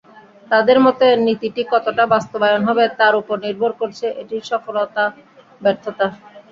তাঁদের মতে, নীতিটি কতটা বাস্তবায়ন হবে তার ওপর নির্ভর করছে এটির সফলতা-ব্যর্থতা।